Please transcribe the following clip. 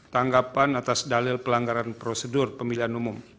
tanggapan atas dalil pelanggaran prosedur pemilihan umum